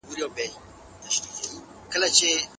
په پرمختیا کي ملي عاید زیاتیږي.